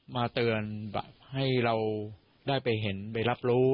มาเตือนให้เราได้ไปเห็นไปรับรู้